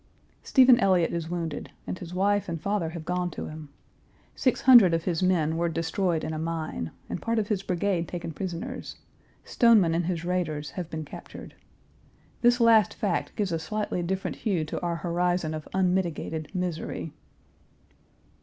Stephen Elliott is wounded, and his wife and father have gone to him. Six hundred of his men were destroyed in a mine; and part of his brigade taken prisoners: Stoneman and his raiders have been captured. This last fact gives a slightly different hue to our horizon of unmitigated misery.